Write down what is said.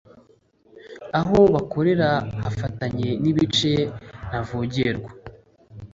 aho bakorera hafatanye nibice ntavogerwa.